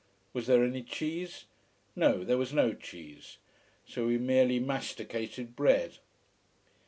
Was there any cheese? No, there was no cheese. So we merely masticated bread.